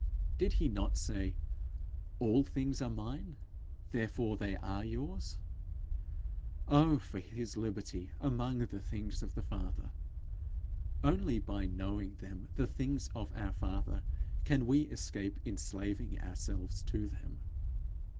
Did he not say, 'All things are mine, therefore they are yours'? Oh for his liberty among the things of the Father! Only by knowing them the things of our Father, can we escape enslaving ourselves to them.